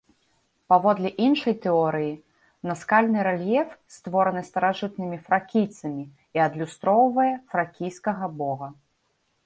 Паводле іншай тэорыі, наскальны рэльеф створаны старажытнымі фракійцамі і адлюстроўвае фракійскага бога.